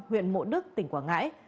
huyện mộ đức tỉnh quảng ngãi